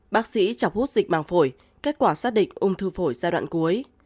bác sĩ chọc hút dịch màng phổi kết quả xác định ung thư phổi giai đoạn cuối